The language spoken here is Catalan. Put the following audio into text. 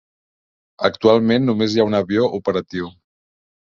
Actualment només hi ha un avió operatiu.